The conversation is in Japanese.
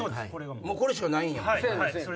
もうこれしかないんやもんね。